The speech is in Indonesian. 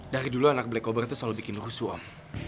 dari dulu anak black cobra tuh selalu bikin rusuh om